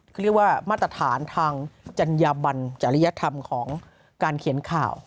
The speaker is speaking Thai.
เขาเรียกว่ามาตรฐานทางจัญญาบันจริยธรรมของการเขียนข่าว